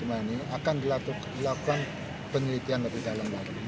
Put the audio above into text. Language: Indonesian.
akan dilakukan penelitian dari dalam